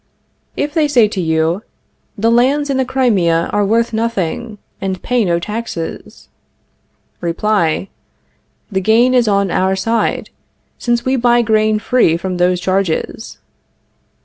If they say to you: The lands in the Crimea are worth nothing, and pay no taxes Reply: The gain is on our side, since we buy grain free from those charges.